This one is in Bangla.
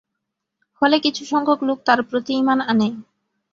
ফলে কিছু সংখ্যক লোক তাঁর প্রতি ঈমান আনে।